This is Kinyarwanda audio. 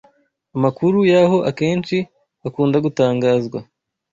Amakuru yaho akenshi akunda gutangazwa